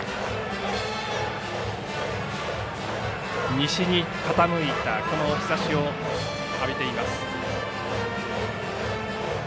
西に傾いたこの日ざしを浴びています。